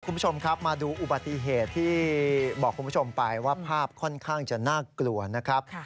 คุณผู้ชมครับมาดูอุบัติเหตุที่บอกคุณผู้ชมไปว่าภาพค่อนข้างจะน่ากลัวนะครับ